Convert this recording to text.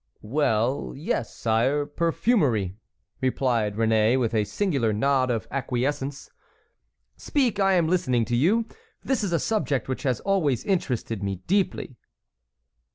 "Well, yes, sire,—perfumery," replied Réné, with a singular nod of acquiescence. "Speak, I am listening to you. This is a subject which has always interested me deeply."